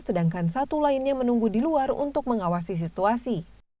sedangkan satu lainnya menunggu di luar untuk mengawasi situasi